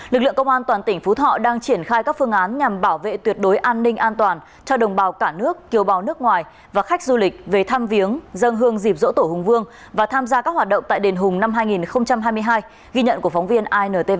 lực lượng công an toàn tỉnh phú thọ đang triển khai các phương án nhằm bảo vệ tuyệt đối an ninh an toàn cho đồng bào cả nước kiều bào nước ngoài và khách du lịch về thăm viếng dân hương dịp dỗ tổ hùng vương và tham gia các hoạt động tại đền hùng năm hai nghìn hai mươi hai ghi nhận của phóng viên intv